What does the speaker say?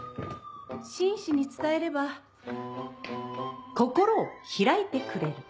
真摯に伝えれば心を開いてくれる。